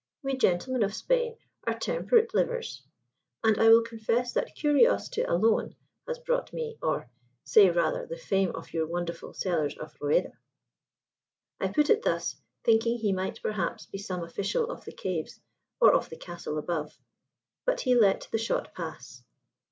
We gentlemen of Spain are temperate livers, and I will confess that curiosity alone has brought me or say, rather, the fame of your wonderful cellars of Rueda." I put it thus, thinking he might perhaps be some official of the caves or of the castle above. But he let the shot pass.